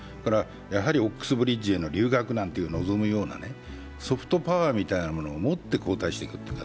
やはりオックスブリッジへの留学を望むようなね、ソフトパワーみたいなものを持って後退していく。